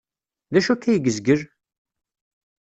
D acu akka ay yezgel?